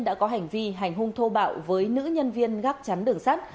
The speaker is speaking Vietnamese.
đã có hành vi hành hung thô bạo với nữ nhân viên gác chắn đường sắt